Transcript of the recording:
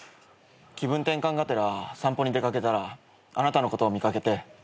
気分転換がてら散歩に出掛けたらあなたのことを見掛けて。